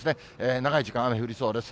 長い時間、雨降りそうです。